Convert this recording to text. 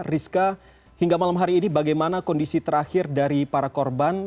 rizka hingga malam hari ini bagaimana kondisi terakhir dari para korban